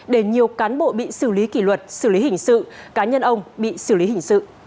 để nhiều cán bộ bị xử lý kỷ luật xử lý hình sự cá nhân ông bị xử lý hình sự